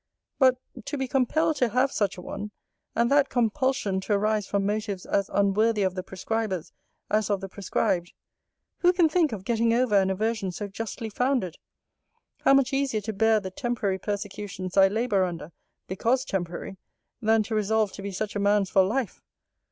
But, to be compelled to have such a one, and that compulsion to arise from motives as unworthy of the prescribers as of the prescribed, who can think of getting over an aversion so justly founded? How much easier to bear the temporary persecutions I labour under, because temporary, than to resolve to be such a man's for life?